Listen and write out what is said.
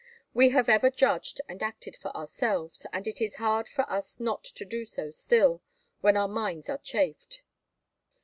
We have ever judged and acted for ourselves, and it is hard to us not to do so still, when our minds are chafed."